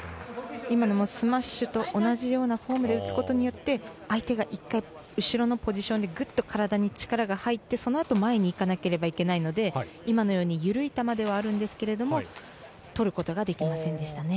今のもスマッシュと同じようなフォームで打つことによって相手が１回後ろのポジションにグッと体に力が入ってそのあと前に行かなければいけないので今のような緩い球ではあるんですがとることはできませんでした。